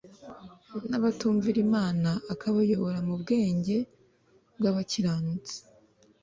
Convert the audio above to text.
n’abatumvira Imana akabayobora mu bwenge bw’abakiranutsi